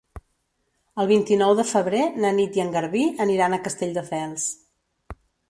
El vint-i-nou de febrer na Nit i en Garbí aniran a Castelldefels.